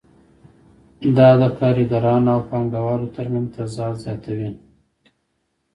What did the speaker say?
دا د کارګرانو او پانګوالو ترمنځ تضاد زیاتوي